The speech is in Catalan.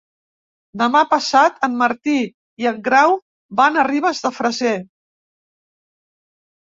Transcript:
Demà passat en Martí i en Grau van a Ribes de Freser.